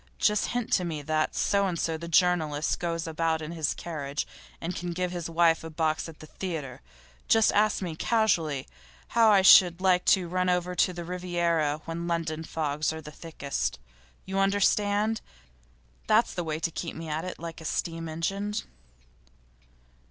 Just hint to me that So and so, the journalist, goes about in his carriage, and can give his wife a box at the theatre. Just ask me, casually, how I should like to run over to the Riviera when London fogs are thickest. You understand? That's the way to keep me at it like a steam engine.